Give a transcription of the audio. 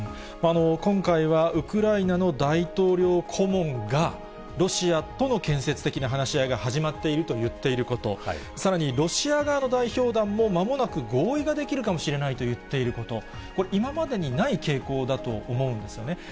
今回は、ウクライナの大統領顧問が、ロシアとの建設的な話し合いが始まっていると言っていること、さらに、ロシア側の代表団も、まもなく合意ができるかもしれないと言っていること、これ、今までにない傾向だと思うんですよね。